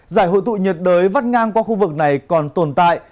giải hội tụ nhiệt đới vắt ngang qua khu vực này còn tồn tại